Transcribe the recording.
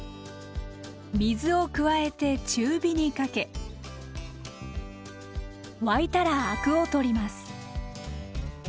水を加えて中火にかけ沸いたらアクを取ります。